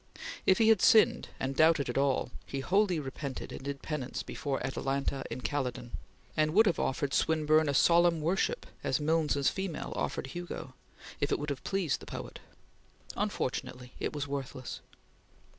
If he had sinned and doubted at all, he wholly repented and did penance before "Atalanta in Calydon," and would have offered Swinburne a solemn worship as Milnes's female offered Hugo, if it would have pleased the poet. Unfortunately it was worthless.